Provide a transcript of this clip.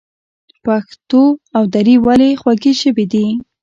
پښتو او دري ولې خوږې ژبې دي؟